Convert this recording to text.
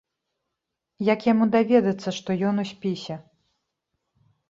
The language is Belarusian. Як яму даведацца, што ён у спісе?